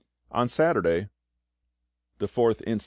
On Saturday, the 4th inst.